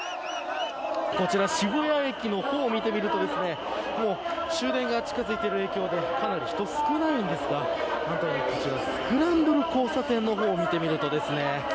こちら渋谷駅のホームを見てみると終電が近づいている影響でかなり人が少ないですがスクランブル交差点の方を見てみるとですね